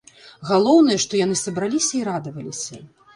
Галоўнае, што яны сабраліся і радаваліся.